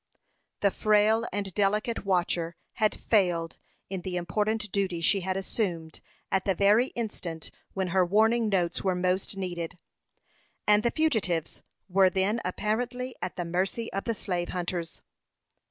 The frail and delicate watcher had failed in the important duty she had assumed at the very instant when her warning notes were most needed, and the fugitives were then apparently at the mercy of the slave hunters.